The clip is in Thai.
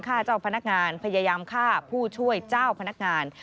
เจ้าพนักงานพยายามฆ่าผู้ช่วยเจ้าพนักงาน